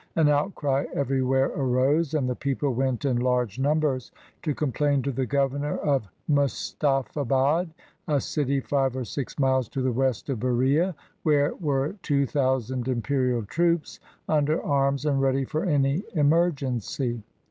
An outcry everywhere arose, and the people went in large numbers to complain to the governor of Mustafabad — a city five or six miles to the west of Buria — where were two thousand imperial troops under arms and ready for any emergency.